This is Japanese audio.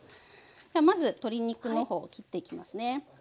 まず鶏肉の方切っていきますね。